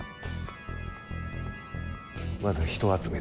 まずは人集めだな。